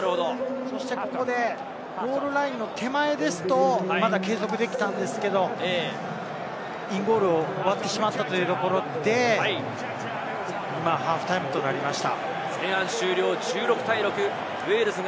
そして、ここでゴールラインの手前ですと、まだ継続できたんですが、ゴールを割ってしまったというところで、今ハーフタイムとなりました。